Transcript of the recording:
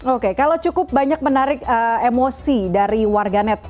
oke kalau cukup banyak menarik emosi dari warganet